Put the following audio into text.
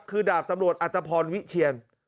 คือดาบตำรวจอัตภพรวิเชียน